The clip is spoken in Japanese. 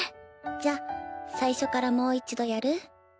じゃあ最初からもう一度やる？